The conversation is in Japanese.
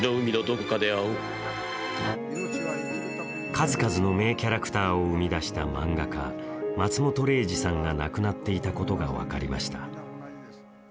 数々の名キャラクターを生み出した漫画家、松本零士さんが亡くなっていたことが分かりました。